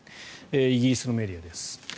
イギリスのメディアです。